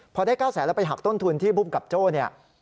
พอได้๙แสนแล้วไปหักต้นทุนที่ภูมิกับโจ้เนี่ย